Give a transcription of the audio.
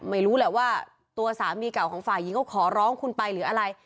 ไม่รู้แหละว่าตัวสามีเก่าของฝ่ายหญิงเขาขอร้องคุณไปหรืออะไร